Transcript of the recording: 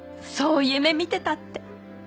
そう夢見てたって。